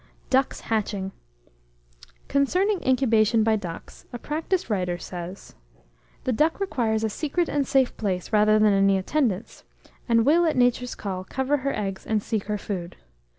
DUCKS HATCHING. Concerning incubation by ducks, a practised writer says, "The duck requires a secret and safe place, rather than any attendance, and will, at nature's call, cover her eggs and seek her food.